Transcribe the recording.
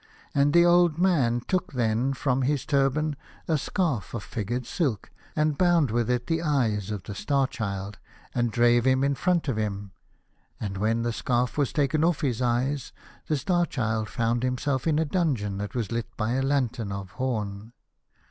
And the old man took then from his turban a scarf of figured silk, and bound with it the eyes of the Star Child, and drave him in front of him. And when the scarf was taken off his eyes, the Star Child found himself in a dungeon, that was lit by a lantern of horn.